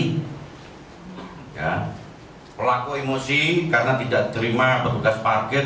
pelaku emosi karena tidak terima petugas parkir